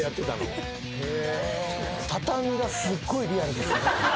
畳がすごいリアルですね。